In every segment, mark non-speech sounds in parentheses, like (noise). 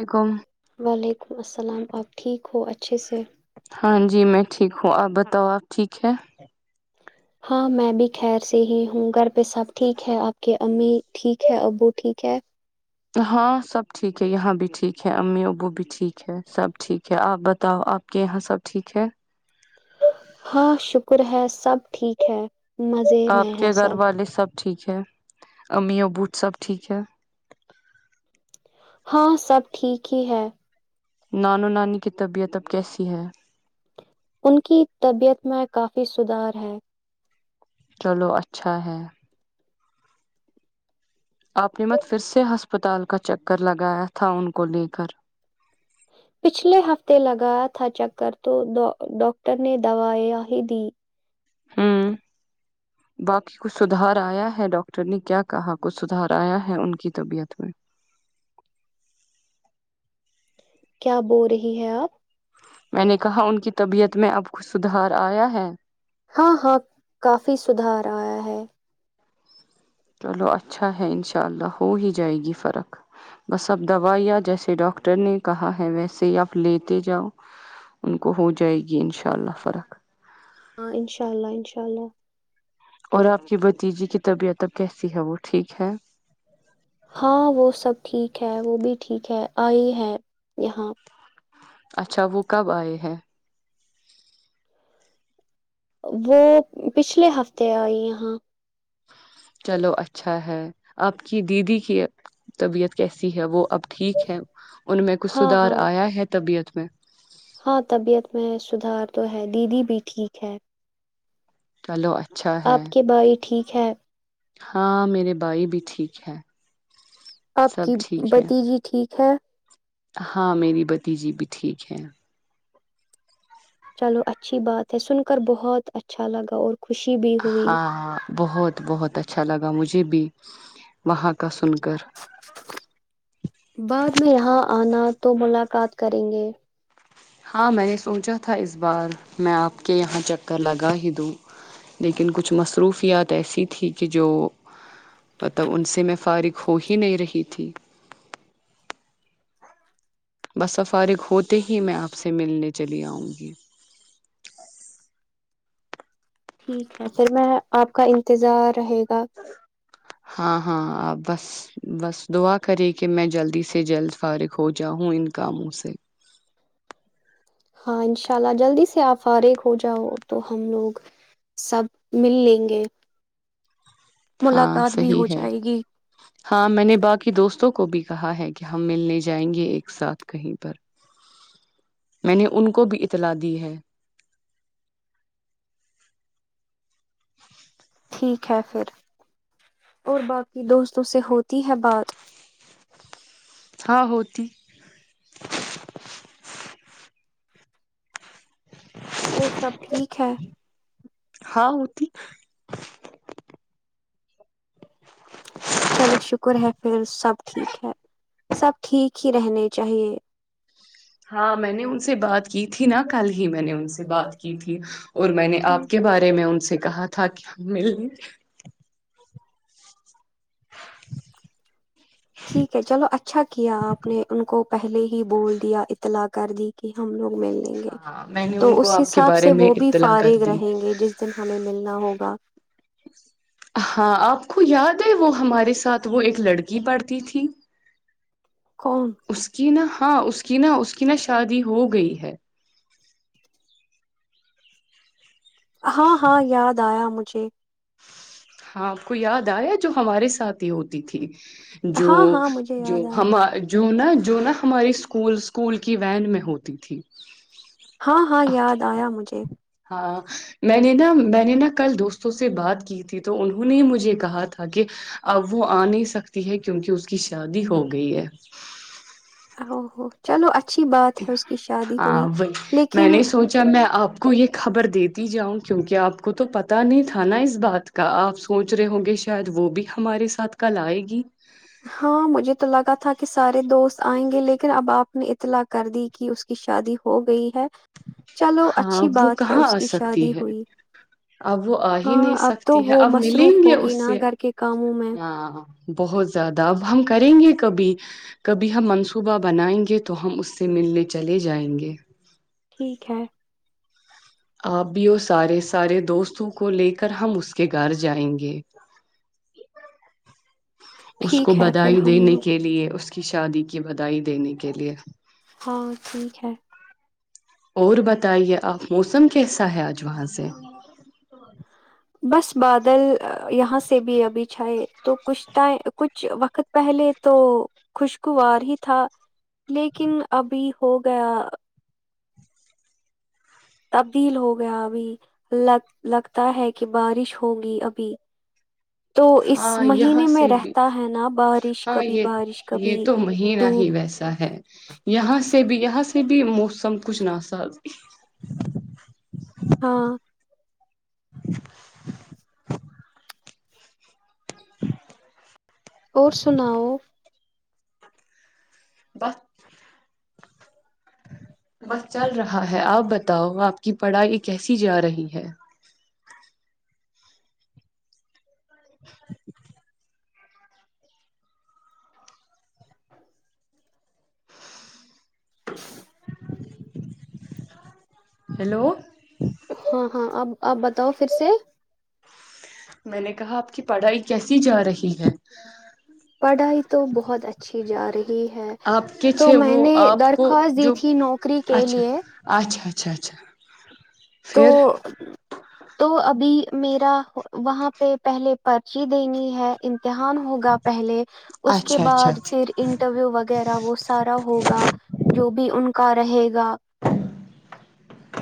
وعلیکم وعلیکم السلام آپ ٹھیک ہو اچھ اچھا سر ہاں جی میں ٹھیک ہوں آپ بتاؤ آپ ٹھیک ہے ہاں میں بھی خیر سے ہی ہوں گھر سب ٹھیک ہے آپ کے امی ٹھیک ہے ابو ٹھیک ہے ہاں سب ٹھیک ہے یہاں بھی ٹھیک ہے امی ابو بھی ٹھیک ہے سب ٹھیک ہے آپ بتاؤ آپ کے یہاں سب ٹھیک ہے ہاں شکر ہے سب ٹھیک ہے مزے آپ میں ہے کے گھر سب والے سب ٹھیک ہے امیمی ا بوٹ سب ٹھیک ہے ہاں سب ٹھیک ہی ہے نانو نانی کی طبیعت اب کیسی ہے ان کی طبیعت میں کافی سدھار ہے چلو اچھا ہے آپ نے مت پھر سے ہسپتال کا چکر لگایا تھا ان کو لے کر پچھلے ہفتے لگایا تھا چکر تو ڈاکٹر نے دوائیاں ہی دی ہ باقی کچھ سدھار آیا ہے ڈاکٹر نے کیا کہا کچھ سدھار آیا ہے ان کی طبیعت میں کیا بول رہی ہے آپ میں نے کہا ان کی طبیعت میں اب کچھ سدھار آیا ہے ہاں ہاں کافی سدھار آیا ہے چلو اچھا ہے انشاء اللہ ہو ہی جائے گی فرق بس اب دوائیاں جیسے ڈاکٹر نے کہا ہے ویسے ہی آپ لیتے جاؤ ان کو ہو جائے گی انشاء اللہ فرق ہاں انشاء اللہ انشاء اللہ اور آپ کی بتیجے کہ طبیعت اب کیسی ہے وہ ٹھیک ہے ہاں وہ سب ٹھیک ہے وہ بھی ٹھیک ہے آئی ہے یہاں اچھا وہ کب آئے ہیں وہ پچھلے ہفتے آئی یہاں چلو اچھا ہے آپ کی دیدی کی طبیعت کیسی ہے وہ آپ ٹھیک ہے ان میں کچھ ہاں سدار ہاں آیا ہے طبیعت (inaudible) ہاں طبیعت میں سدھار تو ہے دیدی بھی ٹھیک ہے چلو اچھ آپ کے بھائی ٹھیک ہے ہاں میرے بھائی بھی ٹھیک ہے آپ سب کی ٹھیک ہے بتیجی ٹھیک چھ ہاں میری بھتیجی بھی ٹھیک ہے چلو اچھی بات ہے سن کر بہت اچھا لگا اور خوشی بھی ہوئی ہاں ہاں بہت بہت اچھا لگا مجھے بھی وہاں کا سن کر بعد میں یہاں آنا تو ملاقات کریں گے ہاں میں نے سوچا تھا اس بار میں آپ کے یہاں چکر لگا ہی دوں لیکن کچھ مصروفیات ایسی تھھی کہ جو مطلب ان سے میں فارغ ہو ہی نہیں رہی تھی بسفارغ ہوتے ہی میں آپ سے ملنے چلی آؤں گی ٹھیک ہے پھر میں آپ کا انتظار رہے گا ہاں ہاں آب بس بس دعا کرے کہ میں جلدی سے جلد فارغ ہو جاؤوں ان کاموں سے ہاں انشاء اللہ جلدی سے آپ فارغ ہو جاؤ تو ہم لوگ سب مل لیں گے ہاں ملاقات بھی صحی ہو ہے جائے گی ہاں میں نے باقی دوستوں کو کو بھی کہا ہے کہ ہم ملنے جائیں گے ایک ساتھ کہیں پر میں نے ان کو بھی اطلاع دی ہے ٹھیک ہے پھر اور باقی دوستوں سے ہوتی ہے بات ہاں ہوتی وہ سب ٹھیک ہے ہاں ہوتی چلو شکر ہے پھر سب ٹھیک ہے سب ٹھیک ہی رہنے چاہیے ہاں میں نے ان سے بات کی تھی نا کل ہی میں نے ان سے بات کی تھی اور میں نے ہ آپ کے بارے میں ان سے کہا تھا کہ ہم مل ٹھیک ہے چلو اچھا کیا آپ نے ان کو پہلے ہی بول دیا اطلاع کر دی کہ ہم لوگ ملیں گے ہاں میں نے تو ان کو اس آپ کے حساب بارے سے میں وہ بھی اطلاع کر فارغ دی رہیں گے جس دن ہمیں ملنا ہوگا ہاں آپ کو یاد ہے وہ ہمارے ساتھ وہ ایک لڑکی پڑھتی تھی کون اس کی نا ہاں اس کی نا اس کی نہا شادی ہو گئی ہے ہاں ہاں یاد آیا مجھے پکچھی ہاں آپ کو یاد آیا جو ہمارے ساتھ ہی ہوتی تھی جو ہاں ہاں مجھے جو یاد آیا ہم جو نا جو نہ ہماری اسکول اسکول کی وین میں ہوتی تھی ہاں ہاں یاد آیا مجھے ہاں میں نے نا میں نے نا کل دوستوں سے بات کی تھی تو انہوں نے مجھے کہا تھا کہ اب وہ آ نہیں سکتی ہے کیونکہ اس کی شادی ہو گئی ہے او چلو اچھا ہاں وہی میں لیکن نے سوچا میں اب کو یہ خبر دےتی جاؤں کیوںکہ آپ کو تو پتا نہیں تھا نا اس بات کا آپ سوچ رہے ہوں گے شاید وہ بھی ہمارے ساتھ کل آئے گی ہاں مجھے تو لگا تھا کہ سارے دوست آئیں گے لیکن اب آپ نے اطلاع کر دی کہ اس کی شادی ہو گئی ہے چلو ہاں اچھی ا وہ بات ہے کہاں اس آ کی سکتی شادی ہے ہوئی اب وہ آ ہی ہاں نہیں اب تو سکتی ہے وہ اب ملیں مصروف گے ہوگی اس سے نا گھر کے کاموں میں ہاں بہت زیادہ اب ہم کریں گے کبھی کبھی ہم منصوبہ بنائیں گے تو ہم اس سے ملنے چلے جائیں گے ٹھیک ہے آپ بھی وہ سارے سارے دوستوں کو لے کر ہم اس کے گھر جائیں گے اس کو ٹھیک ہے پھر بدھائی ہم دینے لوگ کے لیے اس کی شادی کی بھائی دینے کے لیے ہاں ٹھیک ہے اور بتائیے آپ موسم کیسا ہے آج وہاں سے بس بادل یہاں سے بھی ابھی چھ ہے تو کچھ کچھ وقت پہلے تو خوشگوار ہی تھا لیکن ابھی ہو گیا تبدیل ہو گیا ابھی لگتا ہے کہ بارش ہوگی ابھی تو اس ہاں یہاں مہینے میں سے بھی رہتا ہے نا بارش ہاں کبھی یہ بارش یہ کبھی تو مہینہ ہی دھوپ ویسا ہے یہاں سے بھی یہاں سے کسی بھی موسم کچھ نہس ہاں (inaudible) (inaudible) اور سناؤ بس بس چل رہا ہے آپ بتاؤ آپ کی پڑھائی کیسی جا رہی ہے (inaudible) ہیلو ہاں ہاں اب آپ بتاؤ پھر سے میں نے کہا آپ کی پڑھائی کیسی جا رہی ہے پڑھائی تو بہت اچھی جا رہی ہے آپ کے تو چھ میں وہ نے آپ کو درخواست دی جو تھی نوکری کے اچھا لیے اچھا اچھا اچھا تو پھر تو ابھی میرا وہاں پہ پہلے پرچی دینی ہے امتحان ہوگا پہلے اس کے اچھا اچھا بعد پھر اچھا انٹرویو وغیرہ وہ سارا ہوگا جو بھی ان کا رہے گا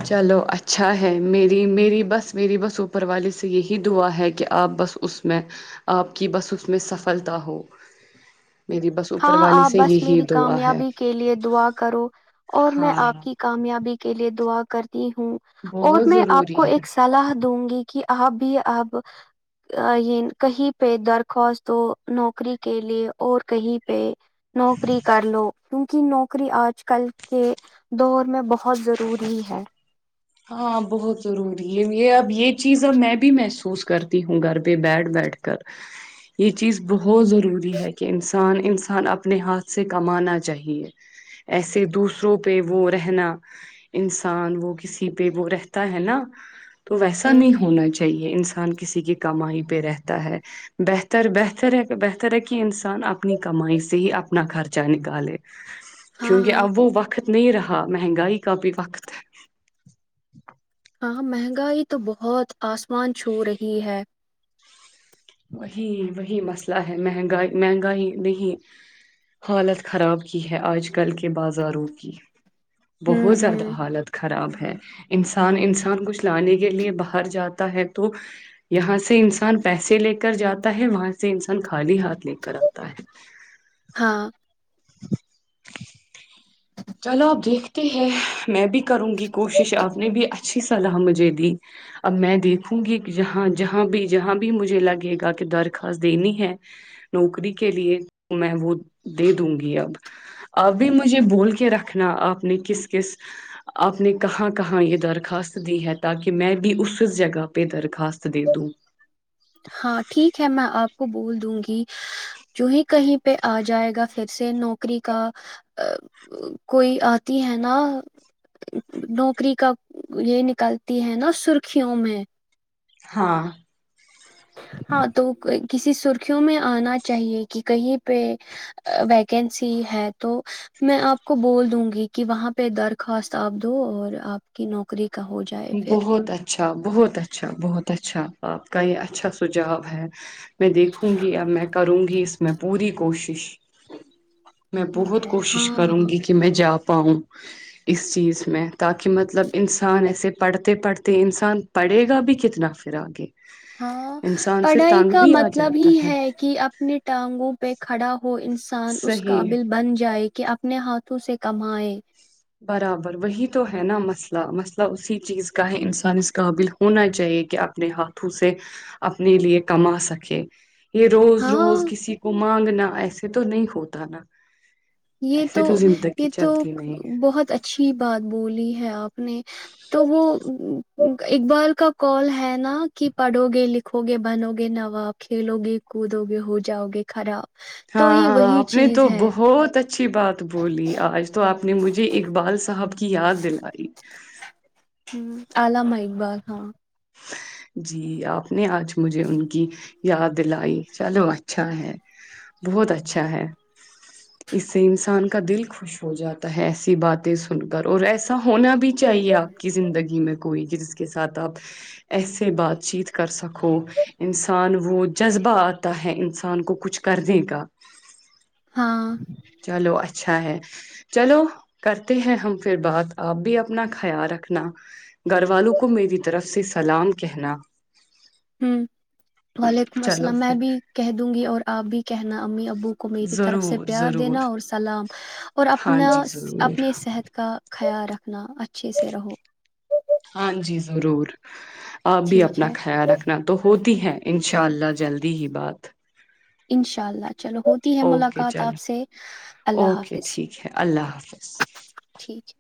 چلو اچھا ہے میری میری بس میری بس اوپر والی سے یہی دعا ہے کہ اپ بس اس میں اپ کی بس اس میں سفلتا ہو میری بس اوپر ہاں والے آپ سے بس یہی میری دعا ہے کامیابی کے لیئے دعا کرو اور میں ہاں آپ کی کامیابی کے لیے دعا کر ہوں اور بہت میں آپ ضروری کو ہے ایک سلاح دوں گی کہ اب بھی اب یہ کہیں پہ درخواست ہو نوکری کے لیے اور کہیں پ نوکری کر لو کیونکہ نوکری آج کل کے دور میں بہت بہت ضروری ہے ہاں بہت ضروری ہے یہ اب یہ چیز اب میں بھی محسوس کرتی ہوں گھر پہ بیٹھ بیٹھ کر یہ چیز بہت ضروری ہے کہ انسان انسان اپنے ہاتھ سے کمانا چاہیے ایسے دوسروں پہ وہ رہنا انسان وہ کسی پہ وہ رہتا ہے نا تو ویسا ہوں نہیں ہونا چاہیے انسان انسان کسی کی کمائی پہ رہتا ہے بہتر بہتر ہے بہتر ہے کہ انسان اپنی کمائی سے ہی اپنا خرچہ نکالے ہاں کیونکہ ہاں اب وہ وقت نہیں رہا مہنگائی کا بھی وقت ہے ہاں مہنگائی تو بہت آسمان چھو رہی ہے وہی وہی مسئلہ ہے مہنگائی مہنگائی نہیں حالت خراب کی ہے آج کل کے بازاروں کی ہوں بہت زیادہ ہوں حالت خراب ہے انسان انسان کچھ لانے کے لیے باہر جاتا ہے تو یہاں سے انسان پیسے لے کے کر جاتا ہے وہاں سے انسان خالی ہاتھ لے کر آتا ہے ہاں (inaudible) چلو آپ دیکھتے ہیں میں بھی کروں گی کوشش آپ نے بھی اچھی صلاح مجھے دی اب میں دیکھوں گی جہاں جہاں بھی جہاں بھی مجھے لگے گا کہ درخواست دینی ہے نوکری کے لیے تو میں وہ دے دوں گی اب اب بھی مجھے بول رکھنا آپ نے کس کس آپ نے کہاں کہاں یہ درخواست دی ہے تاکہ میں بھی اس جگہ پہ درخواست دے دوں ہاں ٹھیک ہے میں آپ کو بول دوں گی جو ہی کہیں پہ آ جائے گا پھر سے نوکری کا کوئی آتی ہے نا نوکری کا یہ نکلتی ہے نا سرخیوں میں ہاں ہاں تو کوئی کسی سرخیوں میں آنا چاہیے کہ کہیں پہ ویکنسی ہے تو میں آپ کو بول دوں گی کہ وہاں پہ درخواست آپ دو اور آپ کی نوکری کا ہو جائے پھر بہت اچھا بہت اچھا بہت اچھا آپ کا یہ اچھا سجھاؤ ہے میں دیکھوں گی اب میں کروں گی اس میں پوری کوشش میں ٹھیک بہت ہے ہاں کوشش کروں ہاں گی کہ میں جا پاؤں اس چیز میں تاکہ مطلب انسان ایسے پڑھتے پڑھتے انسان پڑھے گا بھی کتنا پھر آگے ہاں انسان پھر پڑھائی تانگ کا بھی آ مطلب ہی جاتا ہے کہ اپنی ٹانگوں پہ کھڑا وہ انسان اس صحیح قابل بن جائے کہ اپنے ہاتھ سے کمائے برابر وہی تو ہے نا مسئلہ مسئلہ اسی چیز کا ہے انسان اس قابل ہونا چاہیے کہ اپنے ہاتھوں سے اپنے لیے کما سکے یہ روز ہاں روز کسی کو مانگنے نہ ایسے تو نہیں ہوتا نا یہ ایسے تو زندگی یہ تو چلتی نہیں بہت اچھا اچھی بات بولی ہے آپ اپ نے تو وہ اقبال کا کال ہے نا کہ پڑھو گے لکھو گے بنو گے نواب کھیلو گے کودو گے ہو جاؤ گے خراب تو ہاں یہ ہاں ہاں وہی اپنے تو چیز ہے بہت اچا اچھی بات بولی آج تو آپ نے مجھے اقبال س صحب کی یاد دلائی علیامہ اقبال ہاں جی آپ نے آج مجھے ان کی یاد دلائی چلو اچھا ہے بہت اچھا ہے اس سے انسان کا دل خوش ہو جاتا ہے ایسی باتیں سن کر اور ایسا ہونا بھی چاہیے آپ کی زندگی میں کوئی کہ جس کے ساتھ آپ ایسے بات چیت کر سکو انسان وہ جذبہ آتا ہے انسان کو کچھ کرنے کا ہاں چلو اچھا ہے چلو کرتے ہیں ہم پھر بات آپ بھی اپنا ختیال رکھنا گھر والوں کو میری طرف سے سلام کہنا ہوں وعلیکم چلو السلام میں پھر بھی کہہ دوں گی اور آپ بھی کہنا امی اب ابو کو میری طرف سے ضرور پیار ضرور دینا اور سلام اور ہاں اپنا جی ضرور اپنے صحت کا خیال رکھنا رکھنا اچھے سے رہو ہاں جی ضرور آپ بھی ٹھیک اپنا ہے خیال رکھنا تو ہوتی ہی ہیں ان شاء اللہ جلدی ہی بات انشاء اللہ چلو ہوتی ہے اوکے ملاقات آپ چلیں سے اللہ اوکے حافظ ٹھیک ہے اللہ حافظ ٹھیک ہے